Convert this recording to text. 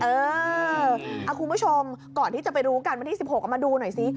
เออคุณผู้ชมก่อนที่จะไปรู้กันวันที่๑๖เอามาดูหน่อยซิ